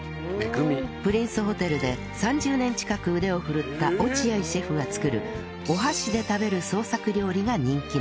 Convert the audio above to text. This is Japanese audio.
プリンスホテルで３０年近く腕を振るった落合シェフが作るお箸で食べる創作料理が人気の店